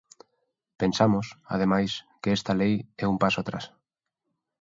Pensamos, ademais, que esta lei é un paso atrás.